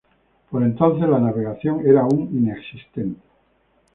Por entonces, la navegación era aún inexistente.